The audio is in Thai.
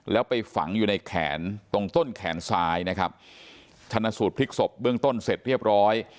แล้วไปฝังอยู่ในแขนตรงต้นแขนซ้ายนะครับชนะสูตรพลิกศพเบื้องต้นเสร็จเรียบร้อย